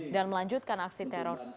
dan melanjutkan aksi teror